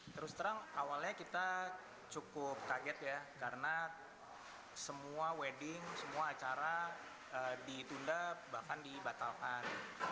terus terang awalnya kita cukup kaget ya karena semua wedding semua acara ditunda bahkan dibatalkan